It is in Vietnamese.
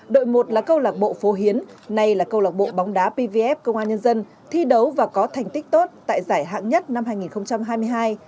đội một là câu lạc bộ phố hiến nay là câu lạc bộ bóng đá pvf công an nhân dân thi đấu và có thành tích tốt tại giải hạng nhất năm hai nghìn hai mươi hai